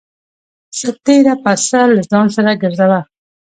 څه تېره پڅه له ځان سره گرځوه.